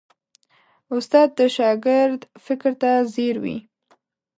استاد د شاګرد فکر ته ځیر وي.